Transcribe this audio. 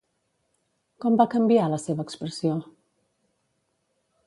Com va canviar la seva expressió?